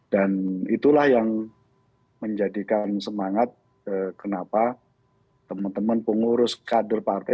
dan itulah yang menjadikan semangat kenapa teman teman pengurus kader partai